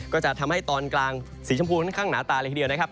ก็จะทำให้ตอนกลางสีชมพูค่อนข้างหนาตาเลยทีเดียวนะครับ